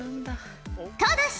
ただし！